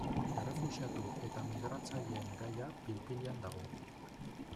Errefuxiatu eta migratzaileen gaia pil-pilean dago.